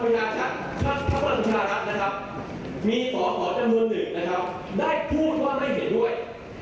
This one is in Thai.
มีต่อต่อจำนวนหนึ่งนะครับได้พูดว่าไม่เห็นด้วย